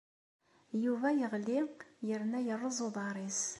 Yuba yeɣli yerna yerreẓ uḍar-nnes.